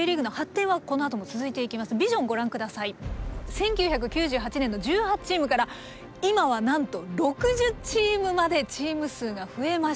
１９９８年の１８チームから今はなんと６０チームまでチーム数が増えました。